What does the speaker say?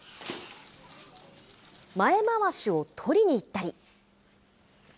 前まわしを取りにいったり。